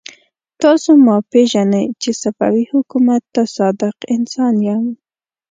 تاسو ما پېژنئ چې صفوي حکومت ته صادق انسان يم.